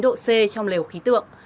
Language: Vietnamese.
năm mươi chín độ c trong lều khí tượng